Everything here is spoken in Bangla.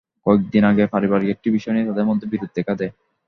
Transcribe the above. কয়েকদিন আগে পারিবারিক একটি বিষয় নিয়ে তাঁদের মধ্যে বিরোধ দেখা দেয়।